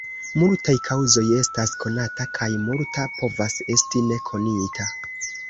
Multaj kaŭzoj estas konata, kaj multa povas esti ne konita.